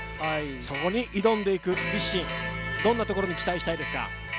そこに挑んでいく、ＩＳＳＩＮ、どんなところに期待したいですか。